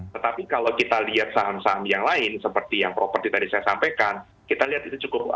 tetapi kalau kita lihat saham saham yang lain seperti yang properti tadi saya sampaikan kita lihat itu cukup lama